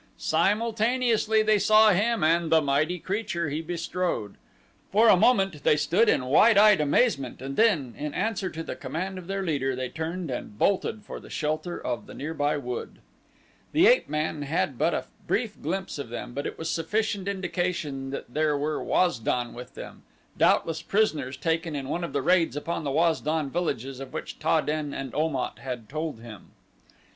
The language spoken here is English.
Simultaneously they saw him and the mighty creature he bestrode. For a moment they stood in wide eyed amazement and then, in answer to the command of their leader, they turned and bolted for the shelter of the nearby wood. The ape man had but a brief glimpse of them but it was sufficient indication that there were Waz don with them, doubtless prisoners taken in one of the raids upon the Waz don villages of which Ta den and Om at had told him.